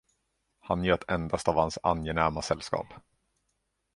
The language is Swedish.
Han njöt endast av hans angenäma sällskap.